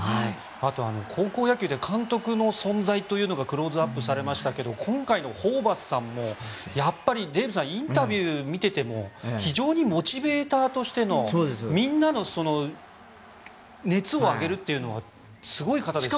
あと高校野球で監督の存在というのがクローズアップされましたけど今回のホーバスさんもデーブさんインタビューを見ていても非常にモチベーターとしてのみんなの熱を上げるというのはすごい方ですね。